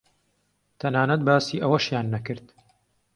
تەنانەت باسی ئەوەشیان نەکرد